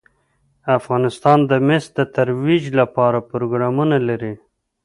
افغانستان د مس د ترویج لپاره پروګرامونه لري.